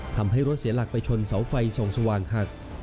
ทำให้รถเสียหลักไปชนเสาไฟส่องสว่างหัก